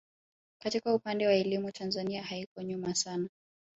Katika upande wa elimu Tanzania haiko nyuma sana